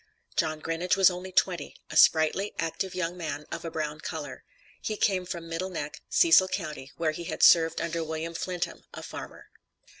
John Grinage was only twenty, a sprightly, active young man, of a brown color. He came from Middle Neck, Cecil county, where he had served under William Flintham, a farmer.